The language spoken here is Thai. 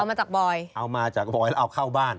เอามาจากบอยเอามาจากบอยแล้วเอาเข้าบ้าน